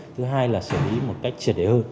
thứ hai là sử lý một cách trịa đề hơn